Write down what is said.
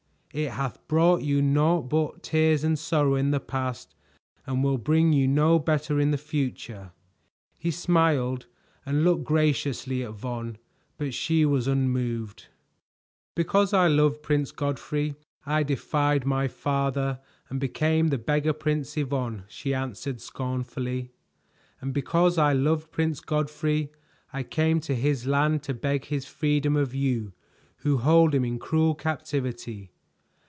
It hath brought you naught but tears and sorrow in the past and will bring you no better in the future." He smiled and looked graciously at Yvonne, but she was unmoved. "Because I loved Prince Godfrey, I defied my father and became the Beggar Princess, Yvonne," she answered scornfully, "and because I loved Prince Godfrey, I came to his land to beg his freedom of you who hold him in cruel captivity.